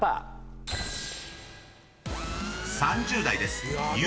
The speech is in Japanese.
［３０代です］